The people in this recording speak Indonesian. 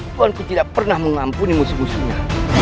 tuan kupati raga tidak pernah mengampuni musuh musuhnya